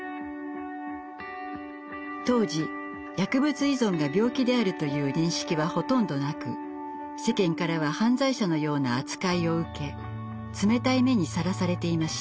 当時薬物依存が病気であるという認識はほとんどなく世間からは犯罪者のような扱いを受け冷たい目にさらされていました。